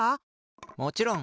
もちろん！